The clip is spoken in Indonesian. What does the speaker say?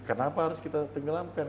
kenapa harus kita tenggelamkan